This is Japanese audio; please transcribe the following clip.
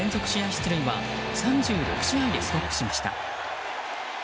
出塁は３６試合でストップしました。